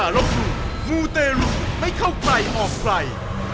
ได้ประสบความสมบัติ